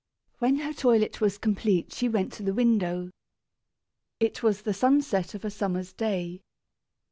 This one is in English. When her toilet was complete she went to the window. It was the sunset of a summer's day.